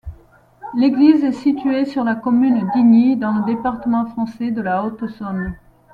L'église est située sur la commune d'Igny, dans le département français de la Haute-Saône.